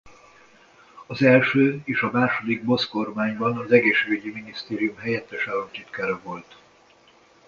Az első és a második Boc-kormányban az egészségügyi minisztérium helyettes államtitkára volt.